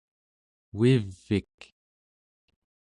Uiv'ik